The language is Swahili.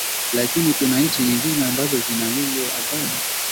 lakini kuna nchi nyingine ambazo zina hiyo adhabu